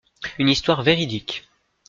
Une histoire véridique.